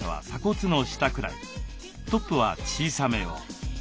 トップは小さめを。